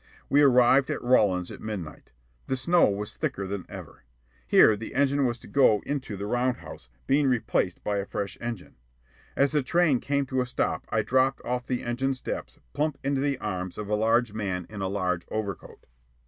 We arrived at Rawlins at midnight. The snow was thicker than ever. Here the engine was to go into the round house, being replaced by a fresh engine. As the train came to a stop, I dropped off the engine steps plump into the arms of a large man in a large overcoat.